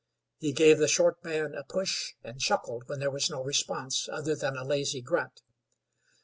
He gave the short man a push, and chuckled when there was no response other than a lazy grunt.